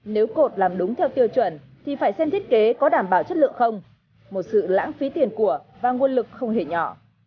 nếu cột làm đúng theo tiêu chuẩn thì phải xem thiết kế có đảm bảo chất lượng không một sự lãng phí tiền của và nguồn lực không hề nhỏ